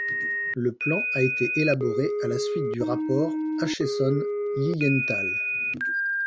Le plan a été élaboré à la suite du rapport Acheson-Lilienthal.